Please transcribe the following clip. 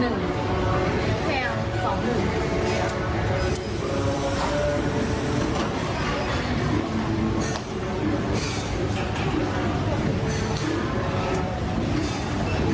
แคล์สองหนึ่ง